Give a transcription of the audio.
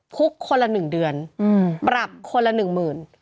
คุกคนละ๑เดือนปรับคนละหนึ่งหมื่น